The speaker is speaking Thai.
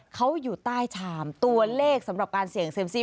เขาอยู่ใต้ชามตัวเลขสำหรับการเสี่ยงเซ็มซี่